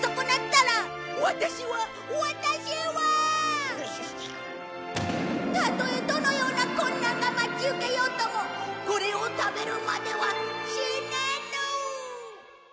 たとえどのような困難が待ち受けようともこれを食べるまでは死ねぬ！